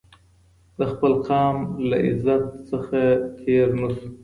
د خپل قام له عزت نه تېر نه سو